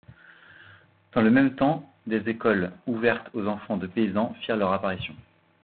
Dans le même temps, des écoles ouvertes aux enfants de paysans firent leur apparition.